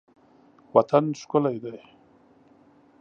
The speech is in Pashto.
وطن ښکلی دی.